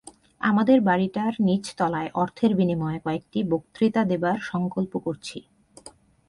আমাদের বাড়ীটার নীচ তলায় অর্থের বিনিময়ে কয়েকটি বক্তৃতা দেবার সঙ্কল্প করছি।